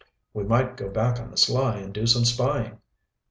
"We might go back on the sly and do some spying."